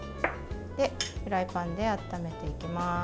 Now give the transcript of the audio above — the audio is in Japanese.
フライパンで温めていきます。